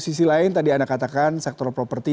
sisi lain tadi anda katakan sektor properti